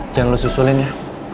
jangan lo susulin ya